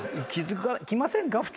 気付きませんか？